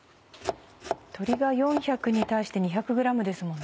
鶏が４００ｇに対して２００ｇですもんね。